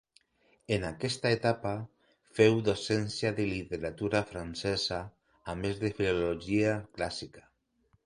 En aquesta etapa féu docència de literatura francesa a més de filologia clàssica.